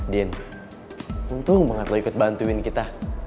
din untung banget lo ikut bantuin kita